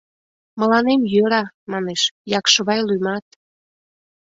— Мыланем йӧра, манеш, «Якшывай» лӱмат.